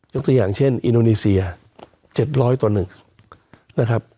ยกตัวอย่างเช่นอินโดนีเซีย๗๐๐ตัวหนึ่ง